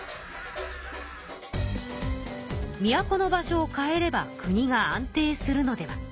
都の場所を変えれば国が安定するのでは？